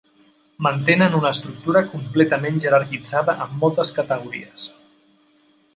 Mantenen una estructura completament jerarquitzada amb moltes categories.